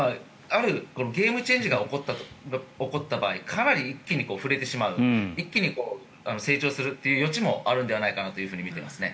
あるゲームチェンジが起こった場合にかなり一気に振れてしまう一気に成長する余地もあるのではないかなとみていますね。